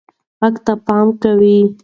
غږ ته پام کوه.